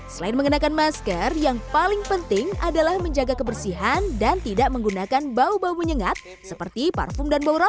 selain menggunakan masker yang paling penting adalah menjaga kebersihan dan tidak menggunakan bau bau menyengat seperti pengembangan ulat sutra